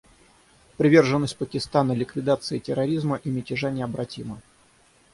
Приверженность Пакистана ликвидации терроризма и мятежа необратима.